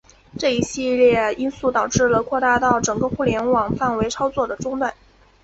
这一系列因素导致了扩大到整个互联网范围操作的中断。